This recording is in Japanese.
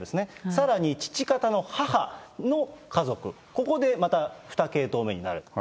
さらに父方の母の家族、ここでまた２系統目になる。